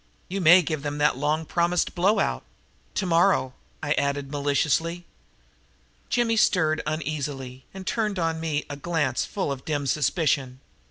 You may give them that long promised blowout tomorrow," I added maliciously. Jimmy stirred uneasily and turned on me a glance full of dim suspicion.